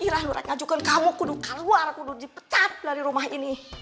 irah lu rai ngajukan kamu kudu keluar kudu dipecat dari rumah ini